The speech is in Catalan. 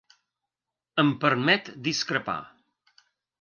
Em permet discrepar